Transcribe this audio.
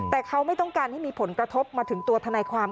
แต่เขาไม่ต้องการให้มีผลกระทบมาถึงตัวทนายความ